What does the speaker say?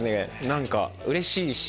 何かうれしいし。